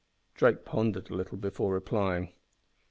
Drake pondered a little before replying.